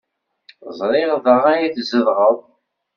Ẓriɣ da ay tzedɣeḍ.